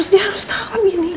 dia harus tahu ini